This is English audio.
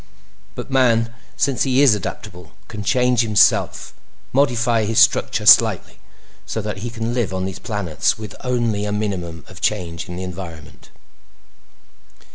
"But man, since he is adaptable, can change himself—modify his structure slightly—so that he can live on these planets with only a minimum of change in the environment."